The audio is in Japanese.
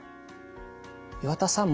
岩田さん